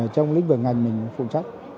trong lĩnh vực ngành mình phụ trách